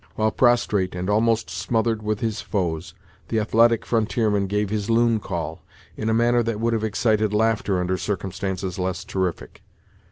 While prostrate, and almost smothered with his foes, the athletic frontierman gave his loon call, in a manner that would have excited laughter under circumstances less terrific.